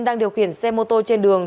đang điều khiển xe mô tô trên đường